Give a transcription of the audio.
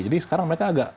jadi sekarang mereka agak